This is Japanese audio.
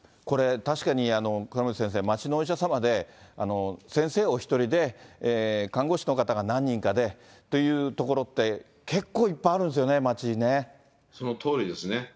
これ、確かに倉持先生、街のお医者様で、先生お１人で、看護師の方が何人かでという所って、結構いっぱいあるんですよね、そのとおりですね。